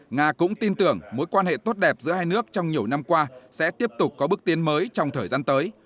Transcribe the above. nga cũng tin tưởng mối quan hệ tốt đẹp giữa hai nước trong nhiều năm qua sẽ tiếp tục có bước tiến mới trong thời gian tới